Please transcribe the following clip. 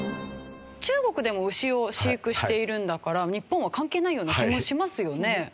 中国でも牛を飼育しているんだから日本は関係ないような気もしますよね。